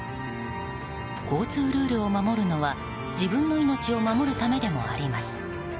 交通ルールを守るのは自分の命を守るためでもあります。